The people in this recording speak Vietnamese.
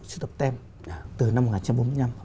sưu tập tem từ năm một nghìn chín trăm bốn mươi năm